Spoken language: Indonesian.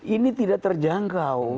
ini tidak terjangkau